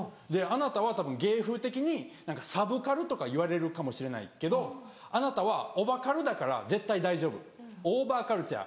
「あなたはたぶん芸風的にサブカルとか言われるかもしれないけどあなたはオバカルだから絶対大丈夫オーバーカルチャー。